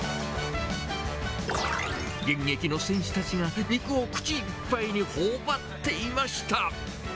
現役の選手たちが、肉を口いっぱいにほおばっていました。